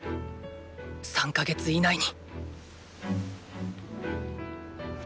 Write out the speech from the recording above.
３ヵ月以内に！